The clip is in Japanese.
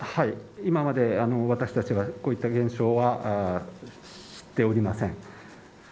今まで私たちがこういった現象は知っておりません。